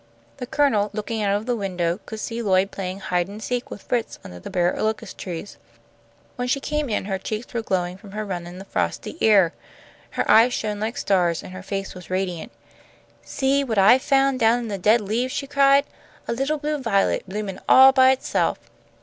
The Colonel, looking out of the window, could see Lloyd playing hide and seek with Fritz under the bare locust trees. When she came in her cheeks were glowing from her run in the frosty air. Her eyes shone like stars, and her face was radiant. "See what I've found down in the dead leaves," she cried. "A little blue violet, bloomin' all by itself."